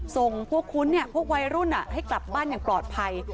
ส่งพวกคุณพวกวัยรุ่นให้กลับบ้านอย่างปลอดภัย